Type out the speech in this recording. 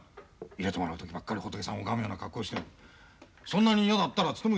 入れてもらう時ばっかり仏さん拝むような格好してそんなに嫌だったら勤め口替えろもう。